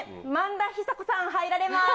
萬田久子さん入られます！